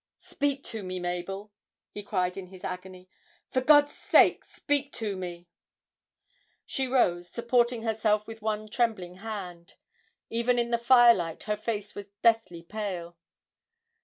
'Speak to me, Mabel,' he cried in his agony, 'for God's sake, speak to me!' She rose, supporting herself with one trembling hand; even in the firelight her face was deathly pale.